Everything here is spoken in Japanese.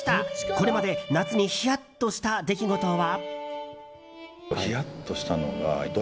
これまで夏にヒヤッとした出来事は？